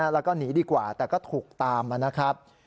แล้วก็หนีดีกว่าแต่ก็ถูกตามมานะครับ